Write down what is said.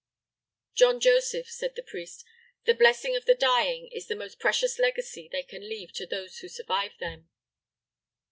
"John Joseph," said the priest, "the blessing of the dying is the most precious legacy they can leave to those who survive them."